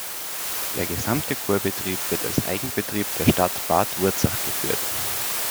Der gesamte Kurbetrieb wird als Eigenbetrieb der Stadt Bad Wurzach geführt.